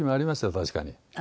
確かに。